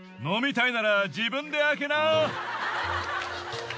飲みたいなら自分で開けな。